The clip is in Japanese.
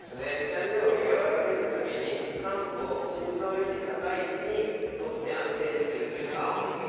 痛みを和らげるために患部を心臓より高い位置に取って安静にするというのが第一ですので。